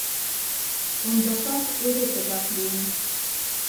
Ондакат эре тыгак лийын.